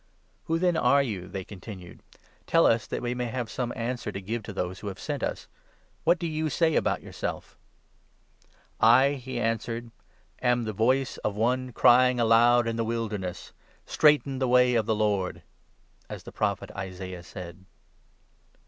"Who then are you?" they continued ; "tell us, that we 22 may have some answer to give to those who have sent us. What do you say about yourself? "" I," he answered, " am — 23 1 The voice of one crying1 aloud in the Wilderness —" Straighten the way of the Lord "', as the Prophet Isaiah said."